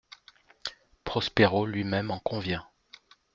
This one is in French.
Prospero lui-même en convient.